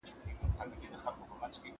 زه پرون سبا ته فکر کوم!؟